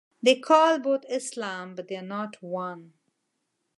They call both Islam, but they are not one.